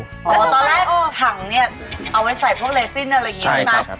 แต่ว่าตอนแรกถังเนี่ยเอาไว้ใส่พวกเลซินอะไรอย่างนี้ใช่ไหม